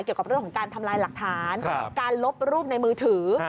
เกี่ยวกับเรื่องของการทำลายหลักฐานการลบรูปในมือถือ